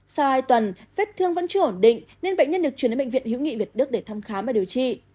sau hai tuần vết thương vẫn chưa ổn định nên bệnh nhân được chuyển đến bệnh viện hữu nghị việt đức để thăm khám và điều trị